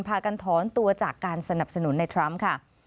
พากันถอนตัวจากการสนับสนุนในทรัมป์ค่ะ